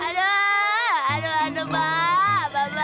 aduh aduh aduh emak mbak mbak